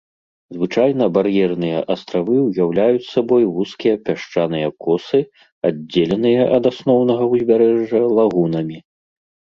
Звычайна бар'ерныя астравы ўяўляюць сабою вузкія пясчаныя косы, аддзеленыя ад асноўнага ўзбярэжжа лагунамі.